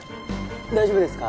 大丈夫ですか？